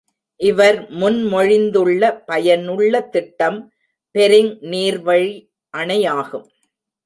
இவர் முன் மொழிந்துள்ள பயனுள்ள திட்டம் பெரிங் நீர்வழி அணையாகும்.